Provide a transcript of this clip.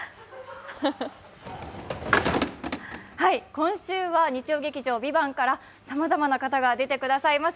今週は日曜劇場「ＶＩＶＡＮＴ」からさまざまな方が出てくださいます。